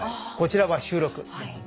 こちらは収録。